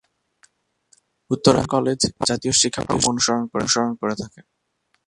Uttara high school and college জাতীয় শিক্ষাক্রম অনুসরণ করে থাকে।